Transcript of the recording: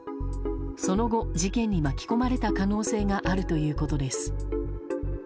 その後、事件に巻き込まれた可能性があるということです。